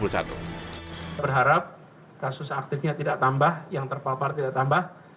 berharap kasus aktifnya tidak tambah yang terpapar tidak tambah